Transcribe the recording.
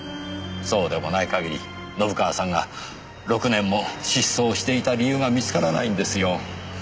そうでもない限り信川さんが６年も失踪していた理由が見つからないんですよ。